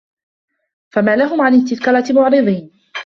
فَما لَهُم عَنِ التَّذكِرَةِ مُعرِضينَ